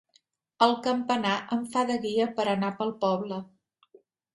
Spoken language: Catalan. El campanar em fa de guia per anar pel poble.